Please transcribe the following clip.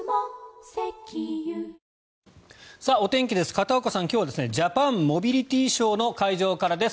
片岡さん、今日はジャパンモビリティショーの会場からです。